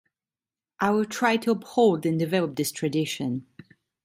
I will try to uphold and develop this tradition.